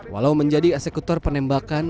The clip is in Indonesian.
walau menjadi eksekutor penembakan